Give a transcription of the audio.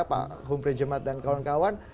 pak humpri jemat dan kawan kawan